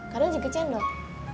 kadang juga cendol